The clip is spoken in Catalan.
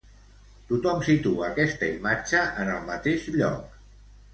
Tothom situa aquesta imatge en el mateix lloc?